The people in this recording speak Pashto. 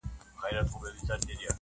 یو یار مي ته یې شل مي نور نیولي دینه-